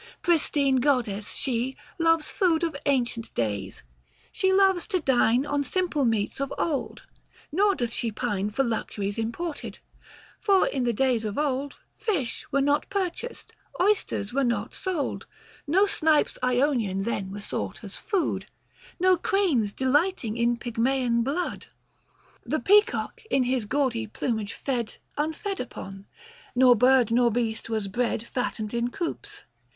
Pristine goddess, she Loves food of ancient days ; she loves to dine On simple meats of old ; nor doth she pine For luxuries imported : for in the days of old Fish were not purchased, oysters were not sold ; 205 No snipes Ionian then were sought as food, Nor cranes delighting in Pygmaean blood. The peacock in his gaudy plumage fed Unfed upon ; nor bird nor beast was bred Fattened in coops.